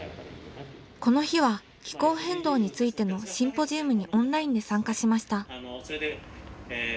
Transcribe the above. この日は気候変動についてのシンポジウムにオンラインで参加しました。